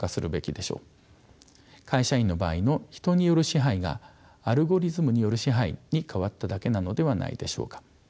会社員の場合の人による支配がアルゴリズムによる支配に変わっただけなのではないでしょうか。